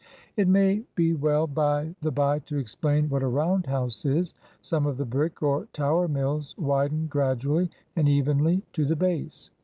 It may be well, by the by, to explain what a round house is. Some of the brick or tower mills widen gradually and evenly to the base.